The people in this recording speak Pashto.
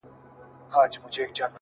نن بيا يوې پيغلي په ټپه كـي راتـه وژړل”